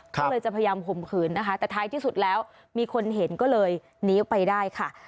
ก็เลยจะพยายามข่มขืนนะคะแต่ท้ายที่สุดแล้วมีคนเห็นก็เลยหนีออกไปได้ค่ะ